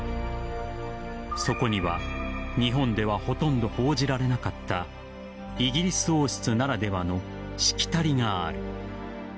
そこには、日本ではほとんど報じられなかったイギリス王室ならではのしきたりがある。